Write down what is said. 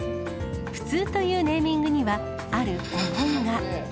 ふつうというネーミングには、ある思いが。